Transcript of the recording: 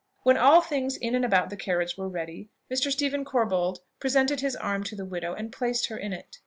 When all things in and about the carriage were ready, Mr. Stephen Corbold presented his arm to the widow, and placed her in it.